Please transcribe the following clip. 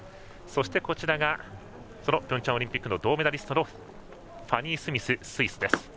そしてピョンチャンオリンピック銅メダリストのファニー・スミス、スイスです。